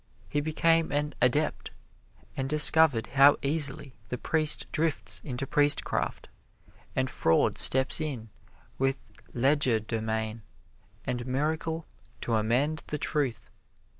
He became an "adept", and discovered how easily the priest drifts into priestcraft, and fraud steps in with legerdemain and miracle to amend the truth.